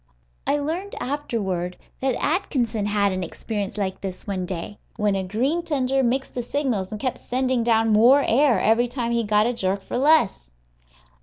I learned afterward that Atkinson had an experience like this, one day, when a green tender mixed the signals and kept sending down more air every time he got a jerk for less.